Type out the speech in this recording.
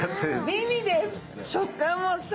美味です！